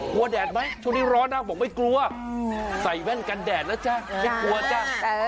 แดดไหมช่วงนี้ร้อนนะบอกไม่กลัวใส่แว่นกันแดดนะจ๊ะไม่กลัวจ้ะ